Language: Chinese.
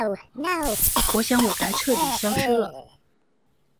我想我该彻底消失了。